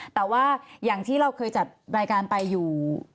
แต่ว่าอย่างที่เราเคยจัดรายการไปอยู่